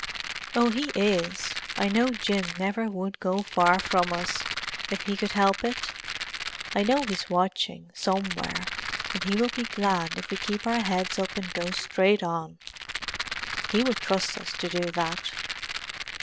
"Oh, he is. I know Jim never would go far from us, if he could help it. I know he's watching, somewhere, and he will be glad if we keep our heads up and go straight on. He would trust us to do that."